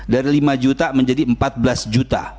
dari lima juta menjadi empat belas juta